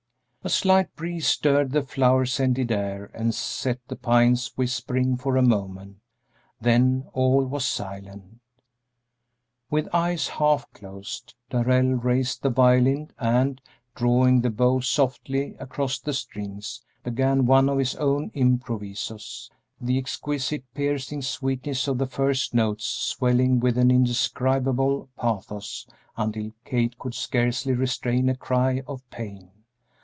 A slight breeze stirred the flower scented air and set the pines whispering for a moment; then all was silent. With eyes half closed, Darrell raised the violin and, drawing the bow softly across the strings, began one of his own improvisos, the exquisite, piercing sweetness of the first notes swelling with an indescribable pathos until Kate could scarcely restrain a cry of pain.